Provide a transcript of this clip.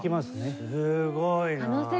すごいな！